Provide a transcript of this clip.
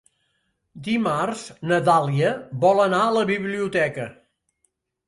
Dimarts na Dàlia vol anar a la biblioteca.